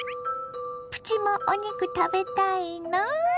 プチもお肉食べたいの？